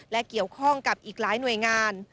และเกี่ยวข้องกับอีกหลายหน่วยงาน